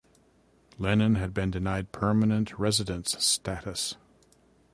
Lennon had been denied permanent residence status.